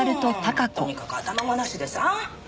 とにかく頭ごなしでさ。